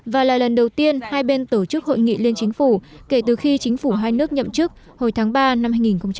và là lần đầu tiên hai bên tổ chức hội nghị liên chính phủ kể từ khi chính phủ hai nước nhậm chức hồi tháng ba năm hai nghìn một mươi chín